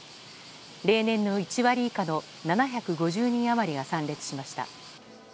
例年の１割以下の７５０人余りが参列しました。